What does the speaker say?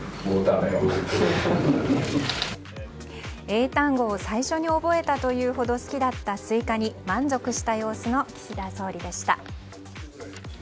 英単語を最初に覚えたというほど好きだったスイカに満足した様子の岸田総理でした。